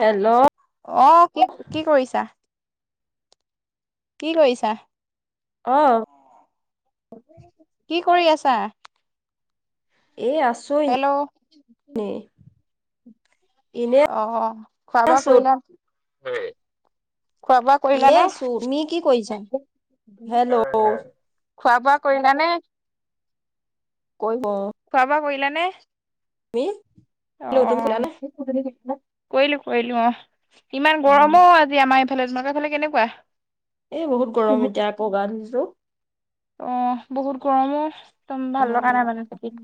Hello. অ কি কি কৰিছা? কি কৰিছা? অ'। ছা এ আছো হেল্ল'। এনে [inaudible] অ' খোৱা বোৱা আছো কৰিলা? খোৱা বোৱা কৰিলা এনে নে? আছো তুমি কি কৰিছা হেল্ল' খোৱা বোৱা কৰিলানে? কৰিব অ'। লানে [inaudible] হেল্ল' তুমি কলা নে অ', কৰিলোঁ কৰিলোঁ অ', ইমান অ গৰম ঔ, আজি আমাৰ এইফালে তোমালোকৰ ফালে কেনেকুৱা? এ, বহুত গৰম এতিয়া আকৌ গা ধুইছো। অ', বহুত গৰম অ। একদম অ ভাল লগা নাই মানে চকিত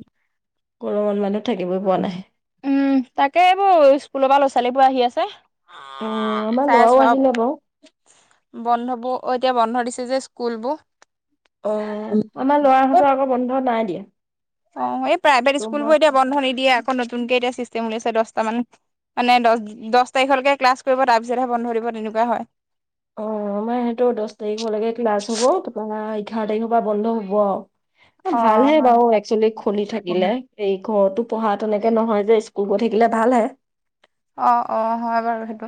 গৰমত মানুহ থাকিবই পোৱা নাই [unintelligible] উম, তাকে এইবোৰ স্কুলৰ পৰা ল'ৰা ছোৱালীবোৰ আহি আছে। অ', আমাৰ লৰাও আহিলে বাৰু। বন্ধবো অ, এতিয়া বন্ধ দিছে যে স্কুলবোৰ। অ', এই আমাৰ লৰাহঁতৰ আকৌ বন্ধ নাই দিয়া। অ', এই প্ৰাইভেট তোমাৰ স্কুলবোৰ এতিয়া বন্ধ নিদিয়ে। আকৌ নতুনকে এতিয়া চিচ তেম লৈছে দশটামান, মানে দশ-দশ তাৰিখলৈকে ক্লাছ কৰিব। তাৰ পিছতহে বন্ধ দিব তেনেকুৱা হয়। অ', আমাৰ এহেঁতৰো দশ তাৰিখলৈকে ক্লাছ হব, তাপা এঘাৰ তাৰিখৰ পৰা বন্ধ হ'ব আৰু। অ ভালহে হয়। বাৰু একচোৱেলি খুলি থাকিলে, এই ঘৰতো পঢ়া তেনেকে নহয় যে স্কুল গৈ থাকিলে ভাল হে। অ', অ', হয় বাৰু সেইট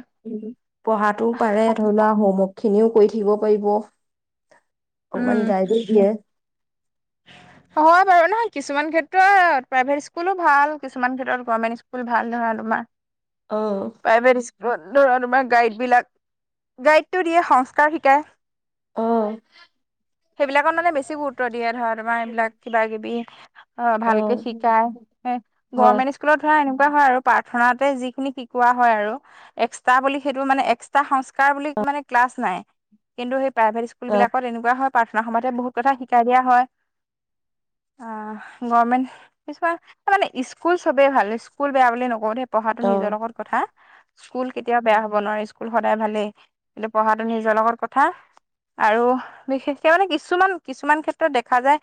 পঢ়াটোও পাৰে, ধৰি লোৱা হোমৱৰ্ক খিনিও কৰি থাকিব পাৰিব। অকমান উম গাইডো দিয়ে। হয় বাৰু নহয় কিছুমান ক্ষেত্ৰ প্ৰাইভেট স্কুলো ভাল কিছুমান ক্ষেত্ৰত গৰ্ভমেন্ট স্কুল ভাল, ধৰা মা অ', ধৰা তোমাৰ গাইড বিলাক, গাইডটো দিয়ে সংস্কাৰ শিকাই। অ', সেইবিলাকত মানে বেছি গুৰুত্ব দিয়ে ধৰা তোমাৰ এইবিলাক কিবা কিবি অ', ভালকে শিকাই। হয়, গৰমেন্ট স্কুলত ধৰা এনেকুৱা হয় আৰু প্ৰাৰ্থনাতে যিখিনি সিক পোৱা হয় আৰু, এক্সটা বুলি সেইটো মানে এক্সটা সংস্কাৰ বুলি মানে ক্লাছ নাই। কিন্তু সেই প্ৰাইভেট স্কুল অ', বিলাকত এনেকুৱা হয় প্ৰাৰ্থনা সভাতে বহুত কথা শিকাই দিয়া হয়। [inaudible] অ', গৰমেন্ট কিছুমান, মানে স্কুল চবে ভাল স্কুল বেয়া বুলি নকওঁ দেই। পঢ়াটো নিজৰ অ', লগত কথা। স্কুল কেতিয়াও বেয়া হব নোৱাৰে স্কুল সদায় ভালেই, কিন্তু পঢ়াটো নিজৰ লগত কথা। আৰু বিশেষকে মানে কিছুমান-কিছুমান ক্ষেত্ৰত দেখা যায়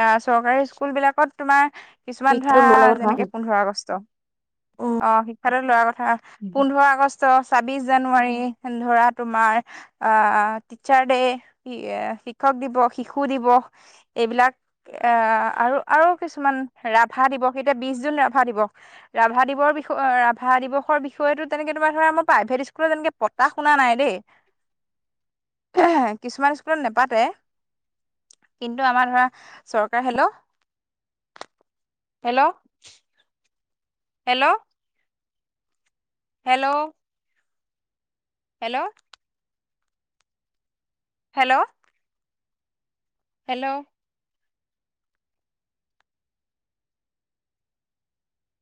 আ, চৰকাৰী স্কুল বিলাকত তোমাৰ কিছুমান ধৰা শিক্ষাটো লোৱাৰ লগত যেনেকে কথা। পোন্ধৰ আগষ্ট অ', শিক্ষাতো লোৱাৰ আগত খা, পোন্ধৰ আগষ্ট, ছাবিশ জানুৱাৰী, ধৰা তোমাৰ আ, টীছা আৰ দে', শিক্ষক দিৱস, শিশু দিৱস এইবিলাক এ, আৰু আৰু কিছুমান ৰাভা দিৱস, এতিয়া বিশ জুন ৰাভা দিৱস, ৰাভা দিৱসৰ বিষয় ৰাভা দিৱস বৰ, বিষয়েটো তেনেকে তোমাৰ ধৰা আমাৰ প্ৰাইভেট স্কুলত তেনেকে পতা শুনা নাই দেই। কিছুমান স্কুলত নেপাতে। কিন্তু আমাৰ ধৰা চৰকাৰ, hello hello hello hello hello hello hello.